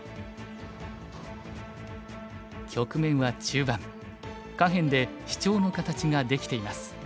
局面は中盤下辺でシチョウの形ができています。